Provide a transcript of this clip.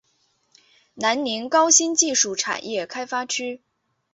南宁高新技术产业开发区